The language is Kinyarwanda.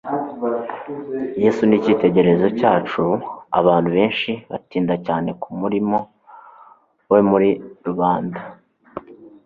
Yesu ni icyitegerezo cyacu. Abantu benshi batinda cyane ku murimo we muri rubanda,